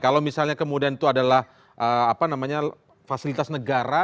kalau misalnya kemudian itu adalah apa namanya fasilitas negara